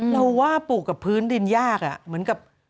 เราว่าปลูกกับพื้นดินยากเหมือนกับ